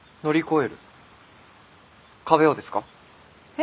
え？